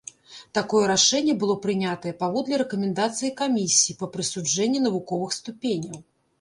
Такое рашэнне было прынятае паводле рэкамендацыі камісіі па прысуджэнні навуковых ступеняў.